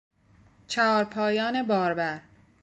چهارپایان باربر